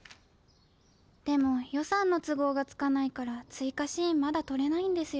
でもよさんのつごうがつかないからついかシーンまだとれないんですよ。